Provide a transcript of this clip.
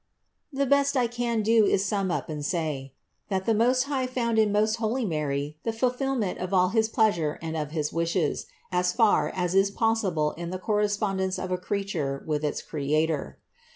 The best I can do is to sum up and say : that the Most High found in most holy Mary the fulfillment of all his pleasure and of his wishes, as far as is possible in the correspondence of a creature with its Creator.